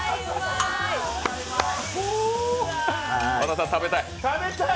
和田さん、食べたい？